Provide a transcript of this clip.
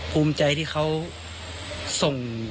ภูมิใจที่เขาส่ง